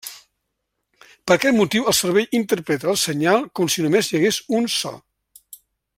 Per aquest motiu el cervell interpreta el senyal com si només hi hagués un so.